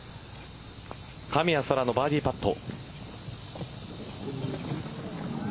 神谷そらのバーディーパット。